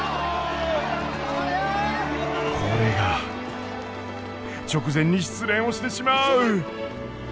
これが直前に失恋をしてしまう。